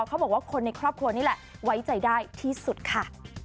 เขาบอกว่าคนในครอบครัวนี่แหละไว้ใจได้ที่สุดค่ะ